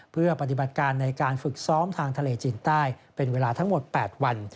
เพื่อปฏิบัติการในการฝึกซ้อมทางทะเลจีนใต้เป็นเวลาทั้งหมด๘วัน